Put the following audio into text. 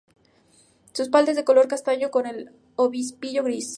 Su espalda es de color castaño, con el obispillo gris.